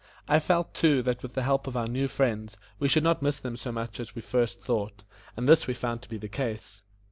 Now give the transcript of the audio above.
I felt, too, that with the help of our new friends, we should not miss them so much as we at first thought, and this we found to be the case.